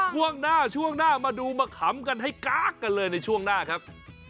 ช่วงหน้าช่วงหน้ามาดูมาขำกันให้ก๊ากกันเลยในช่วงหน้าครับ